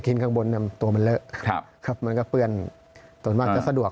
กินข้างบนเนี้ยตัวมันเลอะครับครับมันก็เปื้อนส่วนมากจะสะดวก